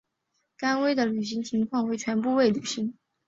甘薇的履行情况为全部未履行。